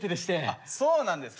ああそうなんですか。